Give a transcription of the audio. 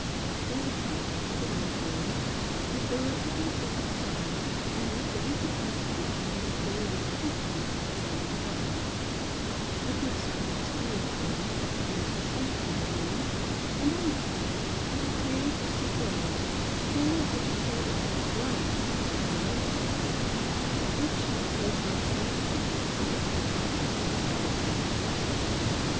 There was a camp bed in one corner and there were a couple of wicker chairs made for easy transposition into full length couches if so required, A good sized deal table occupied the centre of the living room, and on the table was a clear crystal bowl full of what appeared at a first glance to be plain water, but which on closer observation showed a totally different quality.